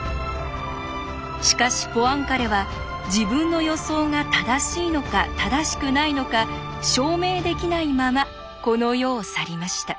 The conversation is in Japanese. しかしポアンカレは自分の予想が正しいのか正しくないのか証明できないままこの世を去りました。